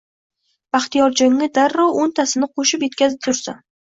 Baxtiyorjonga darrov o`ntasini qo`shib etkazgandursan